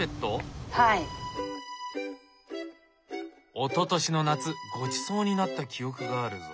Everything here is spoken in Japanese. おととしの夏ごちそうになった記憶があるぞ。